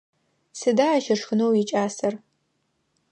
Сыда ащ ышхынэу икӏасэр?